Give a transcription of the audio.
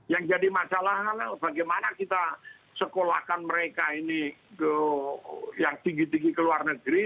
yang jadi masalah adalah bagaimana kita sekolahkan mereka ini yang tinggi tinggi keluar negeri